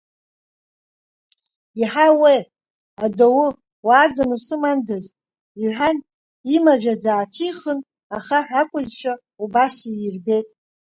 Иаҳауеи, адоу уааганы усымандаз, — иҳәан, имажәаӡа ааҭихын ахаҳә акәызшәа убас иирбеит.